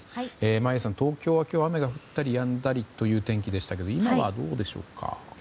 眞家さん、東京は今日雨が降ったりやんだりという天気でしたが今はどうでしょうか？